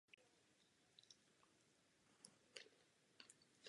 Obě plavidla se účastnila druhé světové války.